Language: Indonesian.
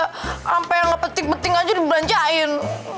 sampai yang ngepetik peting aja dibelanjain